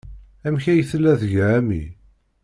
Amek ay tella tga Amy?